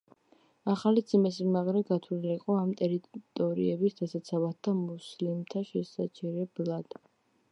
ახალი ციხესიმაგრე გათვლილი იყო ამ ტერიტორიების დასაცავად და მუსლიმთა შესაჩერებლად.